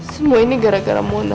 semua ini gara gara monas